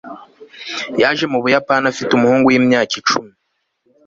Yaje mu Buyapani afite umuhungu wimyaka icumi